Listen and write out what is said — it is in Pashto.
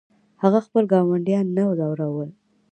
هغه خپل ګاونډیان نه ځورول.